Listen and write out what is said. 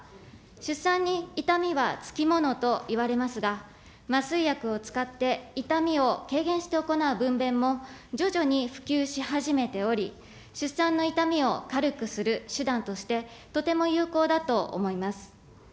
出産に痛みはつきものといわれますが、麻酔薬を使って、痛みを軽減して行う分娩も、徐々に普及し始めており、出産の痛みを軽くする手段として、とても有効だと思います。